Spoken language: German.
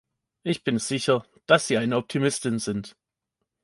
Ich bin sicher, dass Sie eine Optimistin sind.